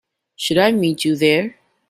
Should I meet you there?